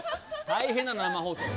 大変だ、生放送。